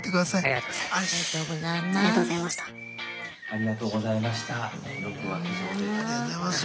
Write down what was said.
ありがとうございます